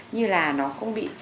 như là nó không bị